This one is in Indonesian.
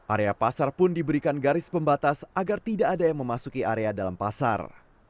area pasar pun diberikan garis pembatas agar tidak ada yang memasuki area dalam pasar